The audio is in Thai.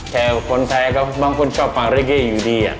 แต่คนไทยก็บางคนชอบฟังเลขกี้อยู่ดี